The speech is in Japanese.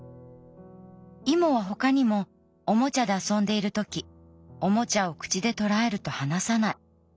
イモは他にもおもちゃで遊んでいるときおもちゃを口で捕らえると離さない。